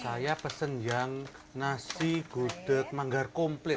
saya pesen yang nasi gudeg manggar komplit